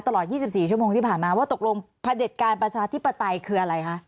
ตลอด๒๔ชั่วโมงที่ผ่านมาว่าตกลงพระเด็จการประชาธิปไตยคืออะไรคะ